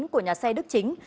của nhà xe đức chính